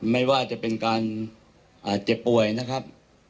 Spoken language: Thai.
ไม่ว่าจะเป็นการเจ็บป่วยนะครับ